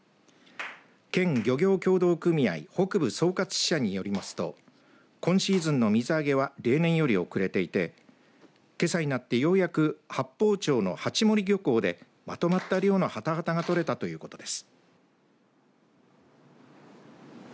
県漁業協同組合北部総括支所によりますと今シーズンの水揚げは例年より遅れていてけさになってようやく八峰町の八森漁港でまとまった量のハタハタが取れたということです。